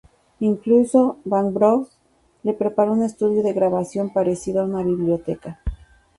Incluso BangBros le preparó un estudio de grabación parecido a una biblioteca.